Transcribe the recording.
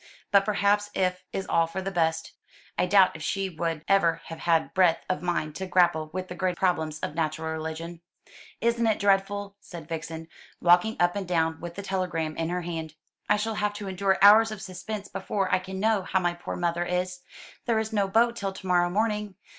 But perhaps if is all for the best. I doubt if she would ever have had breadth of mind to grapple with the great problems of natural religion." "Isn't it dreadful?" said Vixen, walking up and down with the telegram in her hand. "I shall have to endure hours of suspense before I can know how my poor mother is. There is no boat till to morrow morning.